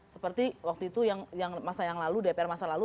seperti waktu itu yang masa yang lalu dpr masa lalu